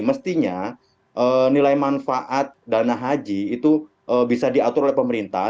mestinya nilai manfaat dana haji itu bisa diatur oleh pemerintah